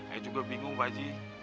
ayah juga bingung pak ji